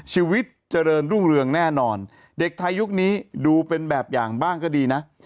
ชีวิตเจริญรุ่งเรืองแน่นอนเด็กไทยยุคนี้ดูเป็นแบบอย่างบ้างก็ดีนะ